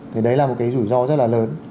thì đấy là một cái rủi ro rất là lớn